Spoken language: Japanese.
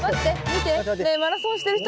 見て。